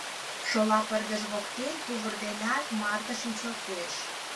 Шола пырдыж воктен тувыр денак Матра шинчылтеш.